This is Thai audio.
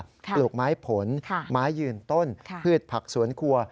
ปลูกไม้ผลไม้ยืนต้นพืชผักสวนครัว